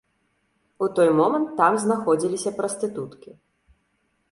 У той момант там знаходзіліся прастытуткі.